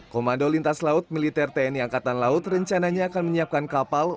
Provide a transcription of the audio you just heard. komando lintas laut militer tni angkatan laut rencananya akan menyiapkan kapal